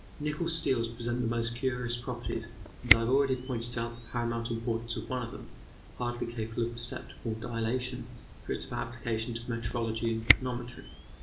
Nickel steels present the most curious properties, and I have already pointed out the paramount importance of one of them, hardly capable of perceptible dilatation, for its application to metrology and chronometry.